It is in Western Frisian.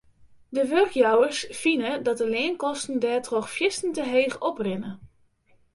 De wurkjouwers fine dat de leankosten dêrtroch fierstente heech oprinne.